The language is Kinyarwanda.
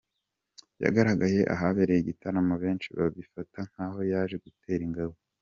yagaragaye ahabereye igitaramo benshi babifata nkaho yaje gutera ingabo.